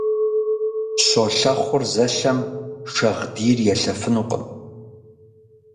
Щолэхъур зэлъэм шагъдийр елъэфынукъым.